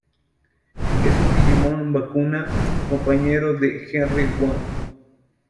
Es un Digimon vacuna, compañero de Henry Wong.